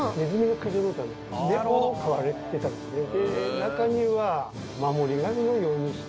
中には。